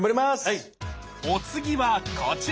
お次はこちら！